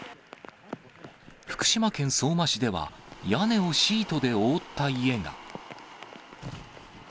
福島県相馬市では、屋根をシートで覆った家が。